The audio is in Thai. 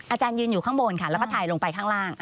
อาจารย์ยืนอยู่ข้างบนค่ะแล้วก็ถ่ายลงไปข้างล่าง